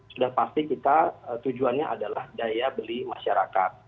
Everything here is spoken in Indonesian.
sudah pasti kita tujuannya adalah daya beli masyarakat